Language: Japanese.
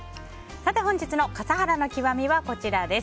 本日の笠原の極みはこちらです。